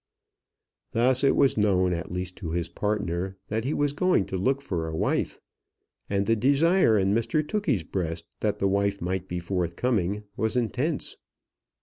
Thus it was known, at least to his partner, that he was going to look for a wife, and the desire in Mr Tookey's breast that the wife might be forthcoming was intense.